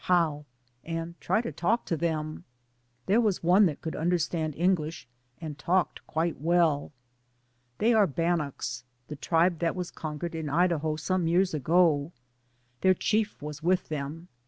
235 "How," and try to talk to them. There was one that could understand English and talked quite well. They are Bannocks, the tribe that was conquered in Idaho some years ago. Their chief was with them.